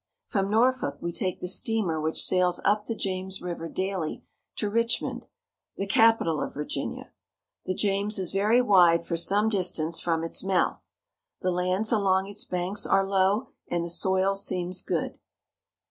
From Norfolk we take the steamer which sails up the James River daily to Richmond, the capital of Virginia. The James is very wide for some dis tance from its mouth. The lands along itsbanks are low, and the soil seems good.